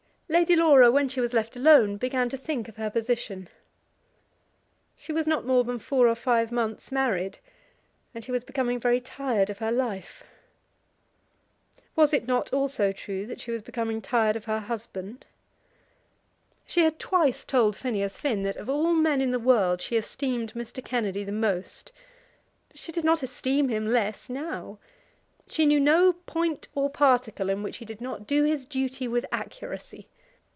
Lady Laura when she was left alone began to think of her position. She was not more than four or five months married, and she was becoming very tired of her life. Was it not also true that she was becoming tired of her husband? She had twice told Phineas Finn that of all men in the world she esteemed Mr. Kennedy the most. She did not esteem him less now. She knew no point or particle in which he did not do his duty with accuracy.